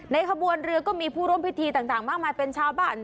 ขบวนเรือก็มีผู้ร่วมพิธีต่างมากมายเป็นชาวบ้าน